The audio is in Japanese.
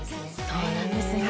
そうなんですね。